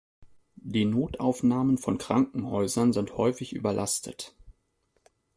Die Notaufnahmen von Krankenhäusern sind häufig überlastet.